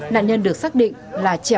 nạn nhân được xác định là trẻ